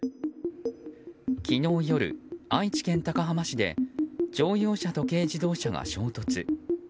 昨日夜、愛知県高浜市で乗用車と軽自動車が衝突。